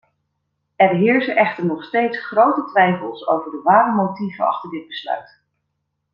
Er heersen echter nog steeds grote twijfels over de ware motieven achter dit besluit.